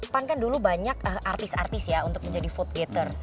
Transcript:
pan kan dulu banyak artis artis ya untuk menjadi food gaters